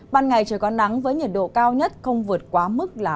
ban ngày trời có nắng với nhiệt độ cao nhất không vượt quá mức là ba mươi ba độ